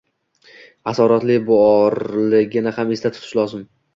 asoratlari borligini ham esda tutish lozim.